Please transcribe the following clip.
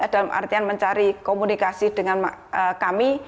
dalam artian mencari komunikasi dengan kami